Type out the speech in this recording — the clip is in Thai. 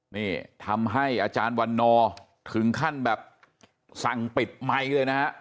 นี่ทำให้อาจารย์วันนอร์ถึงขั้นแบบสั่งปิดไมค์เลยนะฮะ